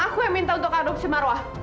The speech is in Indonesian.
aku yang minta untuk adopsi marwah